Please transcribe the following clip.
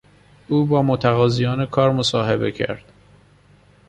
او با متقاضیان کار مصاحبه کرد.